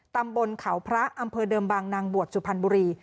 ตำบลเขาพระอำเภอเดิมบางนางบวชสุพรรณบุรี